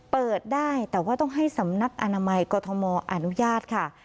เปิดได้แต่ว่าต้องให้สำนักอนามัยกรทมอนุญาตค่ะ